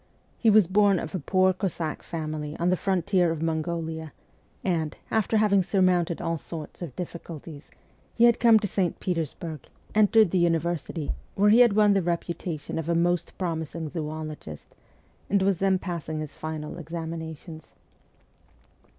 He was born of a poor Cossack farnily on the frontier of Mongolia, and, after having surmounted all sorts of difficulties, he had come to St. Petersburg, entered the university, where he had won the reputation of a most promising zoologist, and was then passing his final examinations.